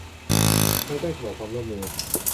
ภายใต้กรอบความร่วมมือ